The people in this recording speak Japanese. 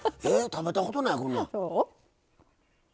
食べたことないこんなん。